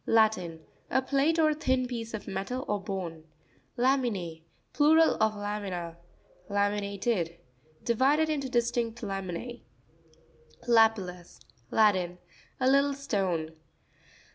—Latin. A plate, or thin piece of metal or bone. La'min&%.—Plural of lamina. La'miInATED.—Divided into distinct lamine. Lapi'LtLus.—Latin. A little stone.